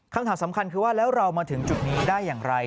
คำถามสำคัญคือว่าแล้วเรามาถึงจุดนี้ได้อย่างไร